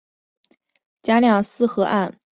加量斯河岸站是码头区轻便铁路最东端的车站。